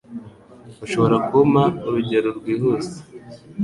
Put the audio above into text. Ushobora kumpa urugendo rwihuse?